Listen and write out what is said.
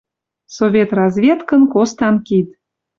Совет разведкын костан кид.